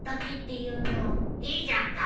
いいじゃんか。